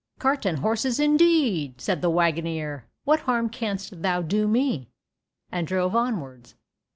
"Cart and horses indeed!" said the waggoner. "What harm canst thou do me?" and drove onwards.